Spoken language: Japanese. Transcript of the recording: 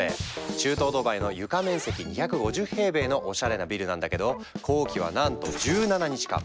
中東ドバイの床面積２５０平米のおしゃれなビルなんだけど工期はなんと１７日間！